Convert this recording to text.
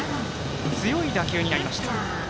強い打球になりました。